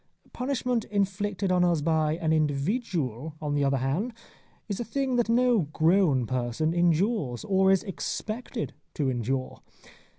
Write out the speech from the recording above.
Punishment inflicted on us by an individual, on the other hand, is a thing that no grown person endures or is expected to endure.